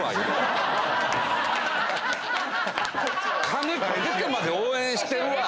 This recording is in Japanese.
金賭けてまで応援してるわ！